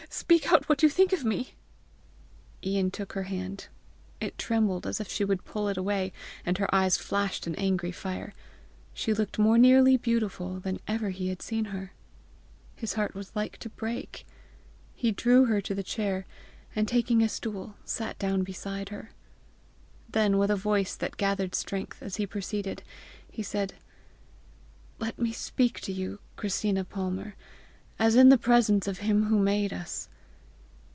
Speak out what you think of me!" Ian took her hand. It trembled as if she would pull it away, and her eyes flashed an angry fire. She looked more nearly beautiful than ever he had seen her! His heart was like to break. He drew her to the chair, and taking a stool, sat down beside her. Then, with a voice that gathered strength as he proceeded, he said: "Let me speak to you, Christina Palmer, as in the presence of him who made us!